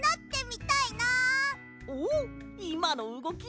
おっいまのうごき